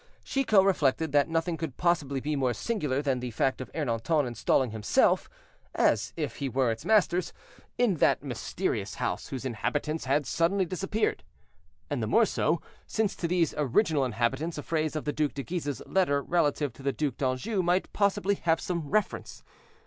Chicot reflected, that nothing could possibly be more singular than the fact of Ernanton installing himself, as if he were its master, in that mysterious house whose inhabitants had suddenly disappeared. And the more so, since to these original inhabitants a phrase of the Duc de Guise's letter relative to the Duc d'Anjou might possibly have some reference.